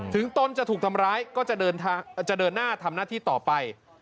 ตนจะถูกทำร้ายก็จะเดินหน้าทำหน้าที่ต่อไป